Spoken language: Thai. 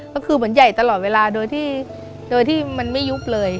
ก็คือเหมือนใหญ่ตลอดเวลาโดยที่มันไม่ยุบเลย